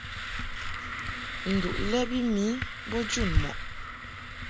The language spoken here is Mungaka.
Nduʼ lɛ bi mi bo jun mɔʼ.